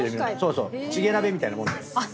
チゲ鍋みたいなもんだよ。